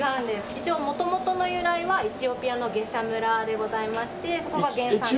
一応元々の由来はエチオピアのゲシャ村でございましてそこが原産地と。